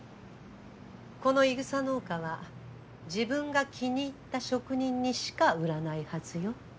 このイグサ農家は自分が気に入った職人にしか売らないはずよ。